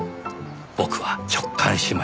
僕は直感しました。